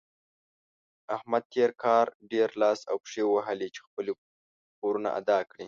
احمد تېر کار ډېر لاس او پښې ووهلې چې خپل پورونه ادا کړي.